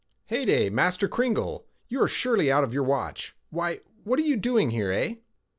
"Heyday, Master Cringle, you are surely out of your watch. Why, what are you doing here, eh?"